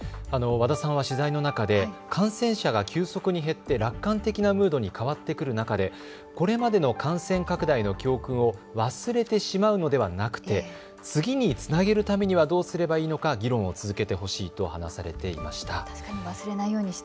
和田さんは取材の中で感染者が急速に減って楽観的なムードに変わってくる中でこれまでの感染拡大の教訓を忘れてしまうのではなくて次につなげるためにはどうすればいいのか議論を続けてほしいと話されていました。